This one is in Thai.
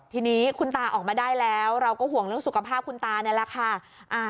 ทีนี้คุณตาออกมาได้แล้วเราก็ห่วงเรื่องสุขภาพคุณตานี่แหละค่ะ